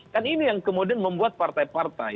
kan ini yang kemudian membuat partai partai